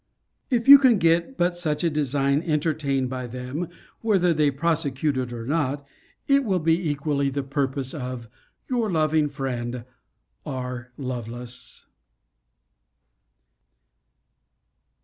If you can get but such a design entertained by them, whether they prosecute it or not, it will be equally to the purpose of Your loving friend, R. LOVELACE.